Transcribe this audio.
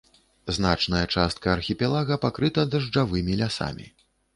Значная частка архіпелага пакрыта дажджавымі лясамі.